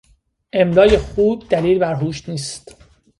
املای خوب دلیل بر هوش نیست.